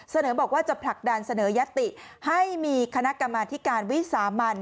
เสนอบอกว่าจะผลักดันเสนอยติให้มีคณะกรรมาธิการวิสามัน